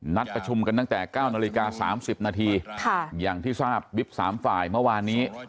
นัดประชุมกันตั้งแต่เก้านาฬิกาสามสิบนาทีค่ะอย่างที่ทราบบิ๊บสามฝ่ายเมื่อวานี้